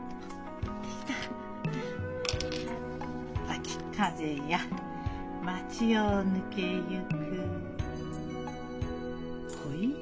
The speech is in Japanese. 「秋風や街を抜けゆく恋泥棒」。